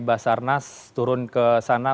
basarnas turun ke sana